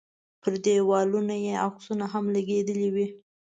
پر دیوالونو یې عکسونه هم لګېدلي وي.